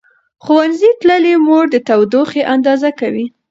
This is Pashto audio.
ښوونځې تللې مور د تودوخې اندازه کوي.